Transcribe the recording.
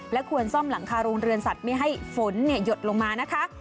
ควรซ่อมหลังคาโรงเรือนสัตว์ไม่ให้ฝนหยดลงมานะคะ